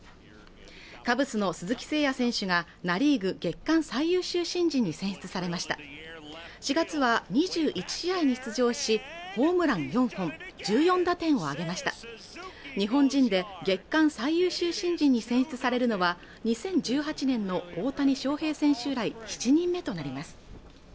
カブスの鈴木誠也選手がナ・リーグ月間最優秀新人に選出されました４月は２１試合に出場しホームラン４本、１４打点を挙げました日本人で月間最優秀新人に選出されるのは２０１８年の大谷翔平選手以来７人目となります